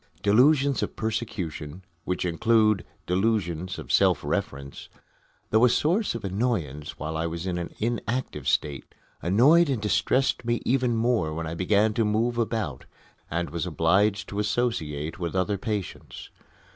Delusions of persecution which include "delusions of self reference" though a source of annoyance while I was in an inactive state, annoyed and distressed me even more when I began to move about and was obliged to associate with other patients.